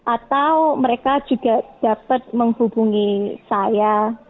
atau mereka juga dapat menghubungi saya